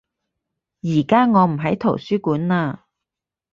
而家我唔喺圖書館嘞